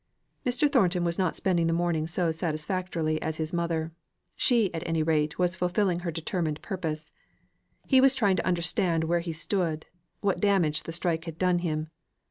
Mr. Thornton was not spending the morning so satisfactorily as his mother. She, at any rate, was fulfilling her determined purpose. He was trying to understand where he stood; what damage the strike had done him.